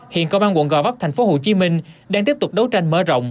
hiện công an quận gò vấp tp hcm đang tiếp tục đấu tranh mở rộng